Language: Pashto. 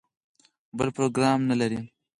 بل پروګرام نه لري.